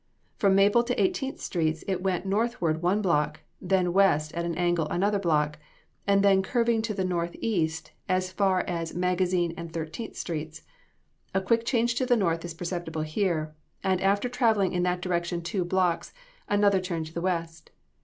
From Maple and Eighteenth streets it went northward one block, then west at an angle another block; and then curving to the northeast as far as Magazine and [Illustration: BAXTER PARK, LOUISVILLE.] Thirteenth streets. A quick change to the north is perceptible here, and after traveling in that direction two blocks, another turn to the west.